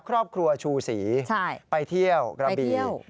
ครูชูศรีไปเที่ยวกระบี